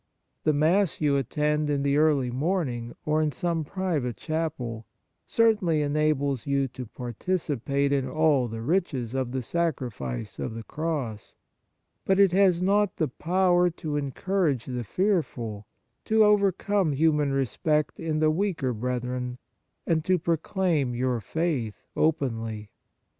The Mass you attend in the early morning or in some private chapel certainly enables you to participate in all the riches of the Sacrifice of the Cross ; but it has not the power to encourage the fearful, to overcome human respect in the weaker brethren, and to proclaim your faith openly.